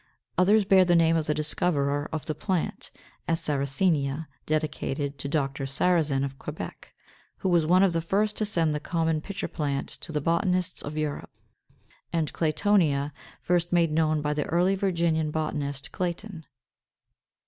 Others bear the name of the discoverer of the plant; as, Sarracenia, dedicated to Dr. Sarrazin, of Quebec, who was one of the first to send the common Pitcher plant to the botanists of Europe; and Claytonia, first made known by the early Virginian botanist Clayton.